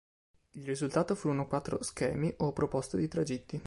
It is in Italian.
Il risultato furono quattro "Schemi", o proposte di tragitti.